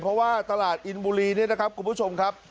เพราะว่าตลาดอินบุรีเนี่ยนะครับคุณผู้ชมครับ